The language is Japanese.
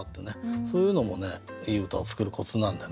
そういうのもいい歌を作るコツなんでね。